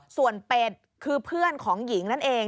ส่วนเป็ดคือเพื่อนของหญิงนั่นเอง